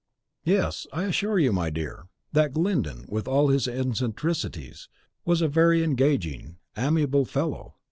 "Yes, I assure you, my dear, that Glyndon, with all his eccentricities, was a very engaging, amiable fellow.